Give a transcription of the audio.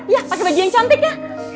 ya pakai baju yang cantik ya